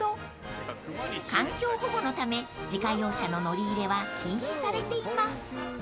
［環境保護のため自家用車の乗り入れは禁止されています］